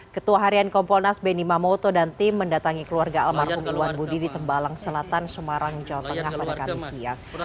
ketua harian kompolnas benny mamoto dan tim mendatangi keluarga almarhum iwan budi di tembalang selatan semarang jawa tengah pada kamis siang